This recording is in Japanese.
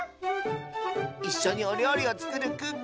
いっしょにおりょうりをつくるクックさん。